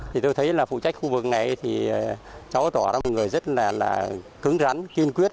thì tôi thấy là phụ trách khu vực này thì cháu tỏ ra một người rất là cứng rắn kiên quyết